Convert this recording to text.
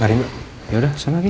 mari ya udah